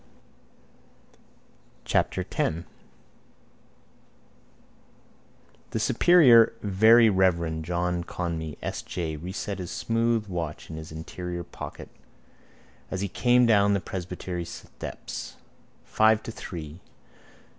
[ 10 ] The superior, the very reverend John Conmee S. J. reset his smooth watch in his interior pocket as he came down the presbytery steps. Five to three.